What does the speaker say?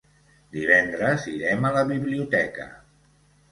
Divendres irem a la biblioteca.